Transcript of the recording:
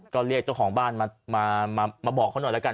ก็เรียกเจ้าของบ้านมาบอกเขาหน่อยแล้วกัน